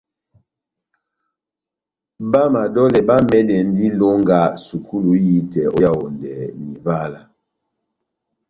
Bá madolè bá mɛdɛndi ilonga sukulu ihitɛ ó Yaondɛ na Ivala.